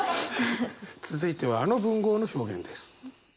続いてはあの文豪の表現です。